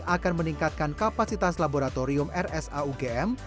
akan meningkatkan kapasitas laboratorium rsa ugm